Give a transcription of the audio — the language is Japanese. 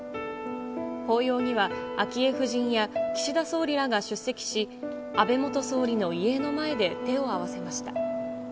法要には昭恵夫人や岸田総理らが出席し、安倍元総理の遺影の前で手を合わせました。